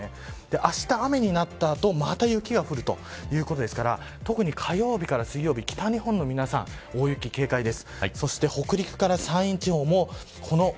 あした雨になった後また雪が降るということですから特に、火曜日から水曜日北日本の皆さん、大雪警戒です。